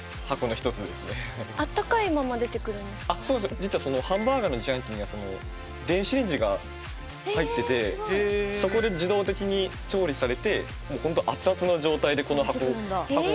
実はハンバーガーの自販機には電子レンジが入っててそこで自動的に調理されてもうほんと熱々の状態で箱ごと出てきますね。